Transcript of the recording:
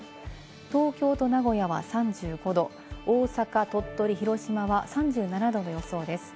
東京と名古屋は３５度、大阪、鳥取、広島は３７度の予想です。